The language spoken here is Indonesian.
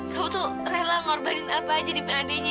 kamu tuh rela ngorbanin apa aja demi adeknya